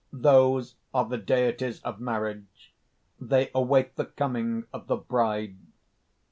_) "Those are the deities of marriage. They await the coming of the bride.